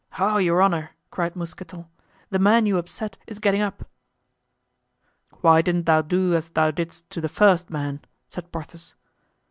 "Ho! your honor!" cried Mousqueton, "the man you upset is getting up." "Why didn't thou do as thou didst to the first man?" said Porthos.